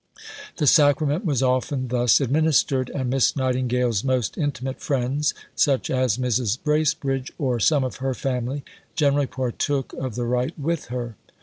The Sacrament was often thus administered, and Miss Nightingale's most intimate friends such as Mrs. Bracebridge or some of her family, generally partook of the rite with her.